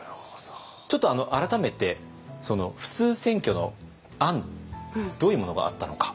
ちょっと改めて普通選挙の案どういうものがあったのか。